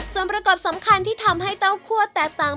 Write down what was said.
ส่วนประกอบสำคัญที่ทำให้เต้าคั่วแตกต่าง